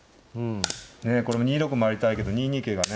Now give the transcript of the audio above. ねえこれも２六回りたいけど２二桂がね